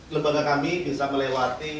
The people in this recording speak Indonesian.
lembaga kami bisa melewati